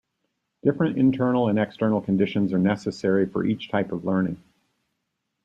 Different internal and external conditions are necessary for each type of learning.